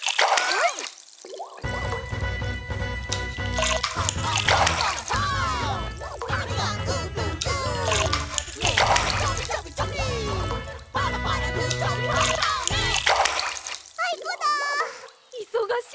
いそがしい。